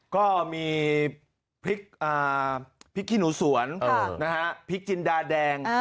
ก็มีพริกขี้หนูสวนพริกจินดาแดง